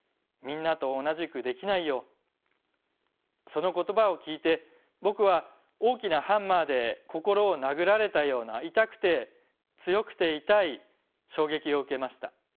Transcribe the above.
その言葉を聞いて僕は大きなハンマーで心を殴られたような痛くて強くて痛い衝撃を受けました。